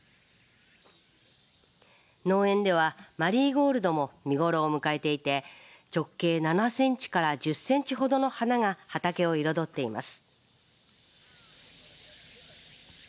農園ではマリーゴールドも見頃を迎えていて直径７センチから１０センチほどの花が畑を彩っています。